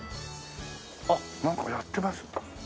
あっなんかやってます。